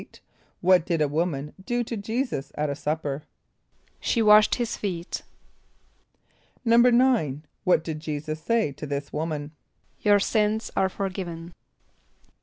= What did a woman do to J[=e]´[s+]us at a supper? =She washed his feet.= =9.= What did J[=e]´[s+]us say to this woman? ="Your sins are forgiven."